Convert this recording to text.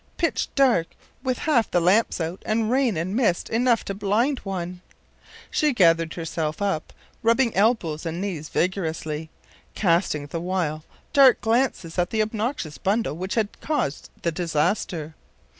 Pitch dark, with half the lamps out, and rain and mist enough to blind one.” She gathered herself up, rubbing elbows and knees vigorously, casting the while dark glances at the obnoxious bundle which had caused the disaster.